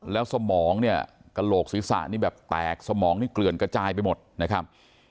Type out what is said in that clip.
แล้วสมองเนี่ยกระโหลกศีรษะนี่แบบแตกสมองนี่เกลื่อนกระจายไปหมดนะครับ